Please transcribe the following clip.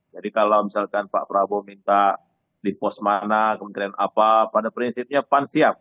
jadi kalau misalkan pak prabowo minta di pos mana kementerian apa pada prinsipnya pan siap